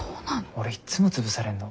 俺いっつも潰されんの。